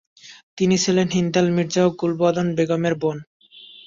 তিনি ছিলেন হিন্দাল মির্জা ও গুলবদন বেগমের বোন।